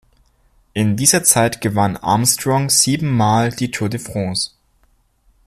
In dieser Zeit gewann Armstrong sieben Male die Tour de France.